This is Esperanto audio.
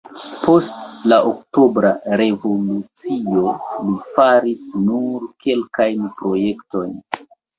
Post la Oktobra revolucio li faris nur kelkajn projektojn.